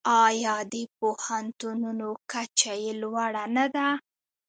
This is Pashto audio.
آیا د پوهنتونونو کچه یې لوړه نه ده؟